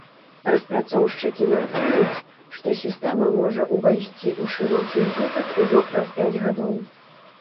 Распрацоўшчыкі мяркуюць, што сістэма можа ўвайсці ў шырокі ўжытак ужо праз пяць гадоў.